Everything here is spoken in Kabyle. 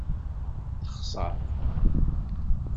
Texṣeṛ.